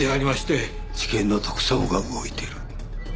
地検の特捜部が動いてる。